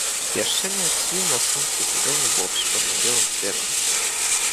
Яшчэ не адцвіў на сонцы зялёны боб з чорна-белым цветам.